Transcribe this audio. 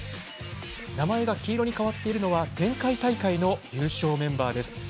名前が黄色に変わっているのは前回大会の優勝メンバーです。